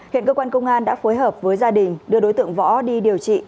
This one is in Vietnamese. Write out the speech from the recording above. hiện cơ quan công an đã phối hợp với gia đình đưa đối tượng võ đi điều trị